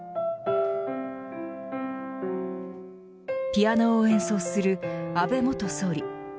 ピアノを演奏する安倍元総理。